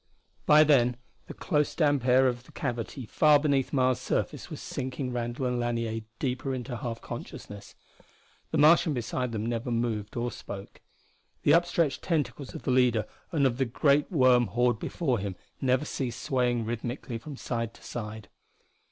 By then the close, damp air of that cavity far beneath Mars' surface was sinking Randall and Lanier deeper into a half consciousness. The Martian beside them never moved or spoke. The upstretched tentacles of the leader and of the great worm horde before him never ceased swaying rhythmically from side to side.